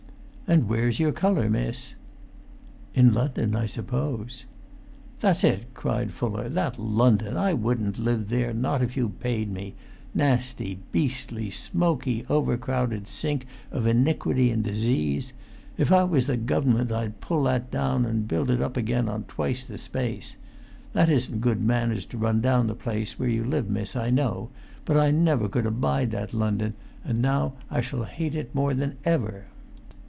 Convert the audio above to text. "And where's your colour, miss?" "In London, I suppose." "That's it," cried Fuller; "that London! I wouldn't live there, not if you paid me: nasty, beastly, smoky, overcrowded sink of iniquity and disease! If I was the Government I'd pull that down[Pg 399] and build it up again on twice the space. That isn't good manners to run down the place where you live, miss, I know; but I never could abide that London, and now I shall hate it more than ever."